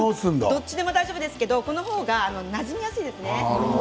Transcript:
どっちでも大丈夫なんですけどポリ袋の方がなじみやすいですね。